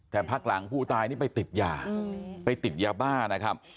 แต่พักหลังผู้ตายนี่ไปติดยาไปติดยาบ้านะครับ